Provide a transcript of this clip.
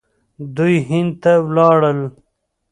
دوی هند ته ولاړل.